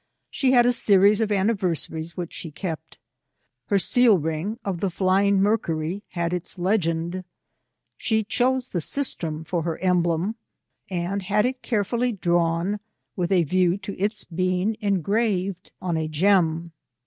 She had a series of anniversaries, which she kept. Her seal ring of the flying Mercury had its legend. She chose the Sistrum for her emblem, and had it carefuUy drawn with a view to its being engraved on a gem.